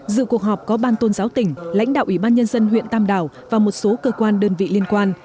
dự cuộc họp có ban tôn giáo tỉnh lãnh đạo ủy ban nhân dân huyện tam đảo và một số cơ quan đơn vị liên quan